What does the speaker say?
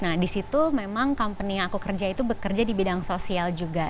nah di situ memang company yang aku kerja itu bekerja di bidang sosial juga